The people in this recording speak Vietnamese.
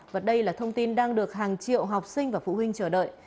và đây là thông tin đang được hàng triệu học sinh và phụ huynh chờ đợi